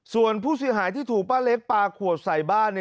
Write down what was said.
ส่วนผู้เสียหายที่ถูกป้าเล็กปลาขวดใส่บ้าน